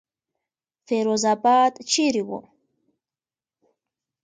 فیروز آباد چېرې وو.